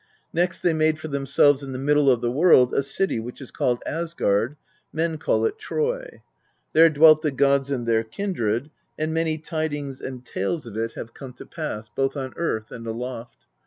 Next they made for themselves in the middle of the world a city which is called Asgard; men call it Troy. There dwelt the gods and their kindred; and many tidings and tales of it have 22 PROSE EDDA come to pass both on earth and aloft.